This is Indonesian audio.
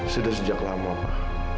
sudah sejak lama pak